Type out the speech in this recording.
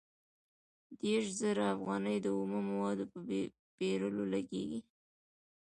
دېرش زره افغانۍ د اومه موادو په پېرلو لګېږي